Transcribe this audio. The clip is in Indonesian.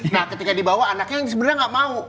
nah ketika dibawa anaknya yang sebenarnya nggak mau